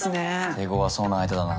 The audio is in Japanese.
手ごわそうな相手だな。